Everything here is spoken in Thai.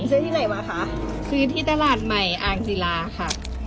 ซื้อที่ไหนวะคะซื้อที่ตลาดใหม่อ่างศิลาค่ะ